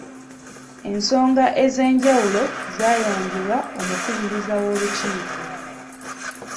Ensonga ez'enjawulo zaayanjulwa omukubiriza w'olukiiko.